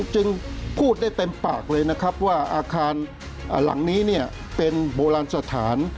จึงพูดได้เต็มปากเลยนะครับว่าอาคารหลังนี้เป็นโบราณสถาน